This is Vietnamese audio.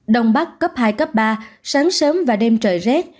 đông bắc cấp hai cấp ba sáng sớm và đêm trời rét